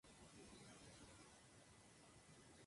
Es un devoto estudiante de las artes marciales y del ajedrez.